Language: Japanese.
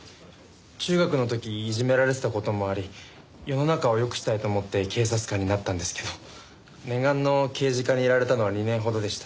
中学の時いじめられてた事もあり世の中を良くしたいと思って警察官になったんですけど念願の刑事課にいられたのは２年ほどでした。